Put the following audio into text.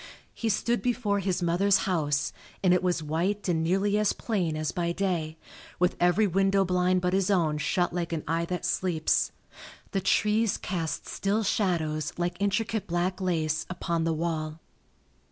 He stood before his mother's house, and it was white and nearly as plain as by day, with every window blind but his own shut like an eye that sleeps. The trees cast still shadows like intricate black lace upon the wall.